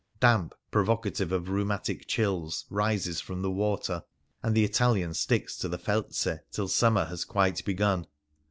Damp, provocative of rheu matic chills, rises from the water, and the Italian sticks to the felze till summer has quite begun.